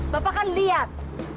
bapak kan lihat